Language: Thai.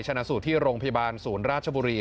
ชนะสูตรที่โรงพยาบาลศูนย์ราชบุรี